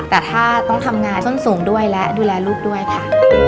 แต่ถ้าต้องทำงานส้นสูงด้วยและดูแลลูกด้วยค่ะ